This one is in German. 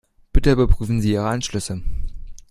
Bitte überprüfen Sie Ihre Anschlüsse.